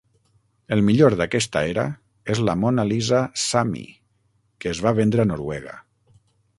El millor d'aquesta era és la Mona Lisa sami, que es va vendre a Noruega.